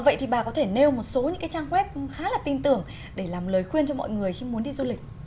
vậy thì bà có thể nêu một số những cái trang web khá là tin tưởng để làm lời khuyên cho mọi người khi muốn đi du lịch